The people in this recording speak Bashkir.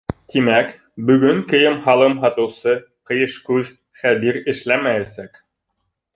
Тимәк, бөгөн кейем-һалым һатыусы Ҡыйышкүҙ Хәбир эшләмәйәсәк.